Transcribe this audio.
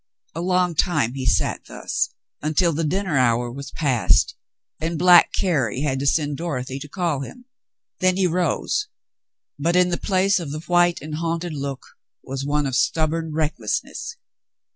A long time he sat thus, until the dinner hour was past, and black Carrie had to send Dorothy to call him. Then he rose, but in the place of the white and haunted look was one of stub born recklessness.